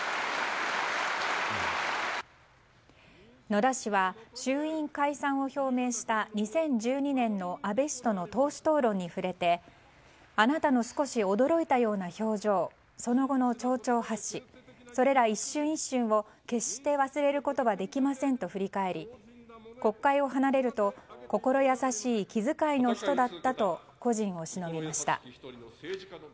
野田氏は衆院解散を表明した２０１２年の安倍氏との党首討論に触れてあなたの少し驚いたような表情その後の丁々発止それら一瞬一瞬を決して忘れることはできませんと振り返り国会を離れると心優しい気遣いの人だったと故人をしのびました。